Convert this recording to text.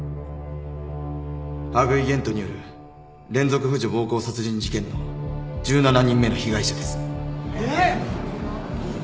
羽喰玄斗による連続婦女暴行殺人事件の１７人目の被害者です。